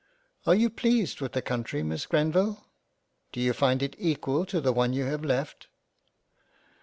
" Are you pleased with the Country Miss Grenville ? Do you find it equal to the one you have left